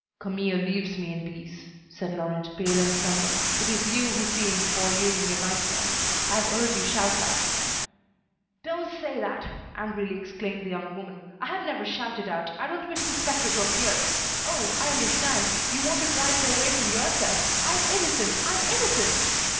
"Camille leaves me in peace," said Laurent, pale and trembling, "it is you who see him before you in your nightmares. I have heard you shout out." "Don't say that," angrily exclaimed the young woman. "I have never shouted out. I don't wish the spectre to appear. Oh! I understand, you want to drive it away from yourself. I am innocent, I am innocent!"